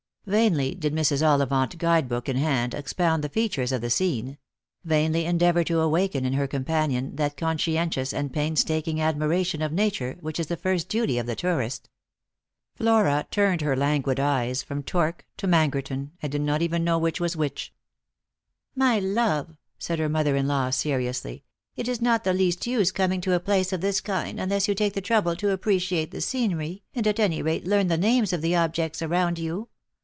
Vainly did Mrs. Ollivant, guide book in hand, expound the features of the scene ; vainly endeavour to awaken in her companion that conscientious and painstaking admiration of nature which is the first duty of the tourist. Flora turned her languid eyes from Tore to Mangerton, and did not even know which was which. " My love," said her mother in law seriously, " it is not the least use coming to a place of this kind unless you take the trouble to appreciate the scenery, and at any rate learn the names of the objects around you.